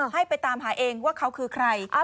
ให้ไปตามหาเองว่าเขาคือใคร